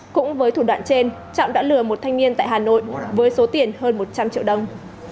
cũng với thủ đoạn trên trọng đã lừa một thanh niên tại hà nội với số tiền hơn một trăm linh triệu đồng